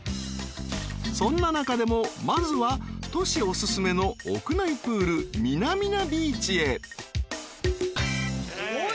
［そんな中でもまずはトシお薦めの屋内プールミナミナビーチへ］